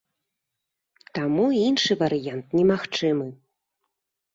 Таму, іншы варыянт немагчымы.